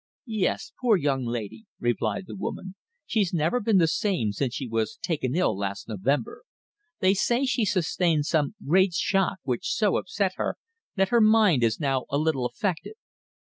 "Yes, poor young lady!" replied the woman. "She's never been the same since she was taken ill last November. They say she sustained some great shock which so upset her that her mind is now a little affected.